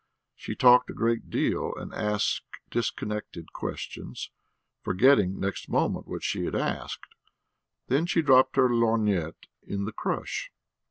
She talked a great deal and asked disconnected questions, forgetting next moment what she had asked; then she dropped her lorgnette in the crush.